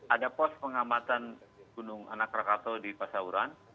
ada pos pengamatan gunung anak rakatau di pasauran